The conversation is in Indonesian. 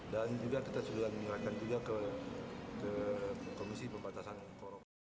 dan juga kita sudah menyerahkan juga ke komisi pembatasan korupsi